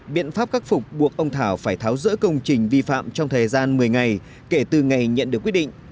biện pháp khắc phục buộc ông thảo phải tháo rỡ công trình vi phạm trong thời gian một mươi ngày kể từ ngày nhận được quyết định